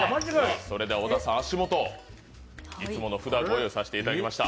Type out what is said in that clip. それでは小田さん、足元、いつもの札ご用意いたしました。